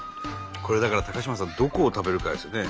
これだから高島さんどこを食べるかですよね。